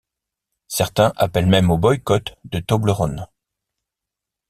Certains appellent même au boycott de Toblerone.